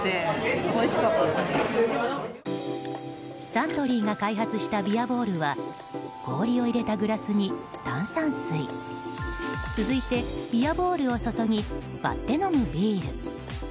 サントリーが開発したビアボールは氷を入れたグラスに炭酸水続いて、ビアボールを注ぎ割って飲むビール。